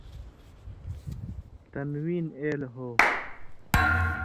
تنوین اېل ہو